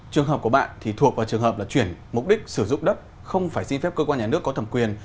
trường hợp của bạn thì thuộc vào trường hợp là chuyển mục đích sử dụng đất không phải xin phép cơ quan nhà nước có thẩm quyền